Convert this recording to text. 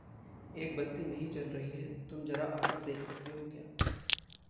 एक बत्ती नहीं जल रही है। तुम ज़रा आकर देख सकते हो क्या?